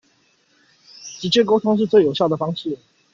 直接溝通是最有效的方式